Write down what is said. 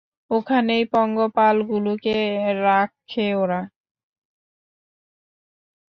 ওখানেই পঙ্গপালগুলোকে রাখে ওরা।